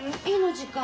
時間。